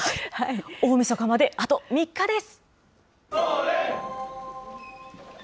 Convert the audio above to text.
大みそかまで、あと３日です。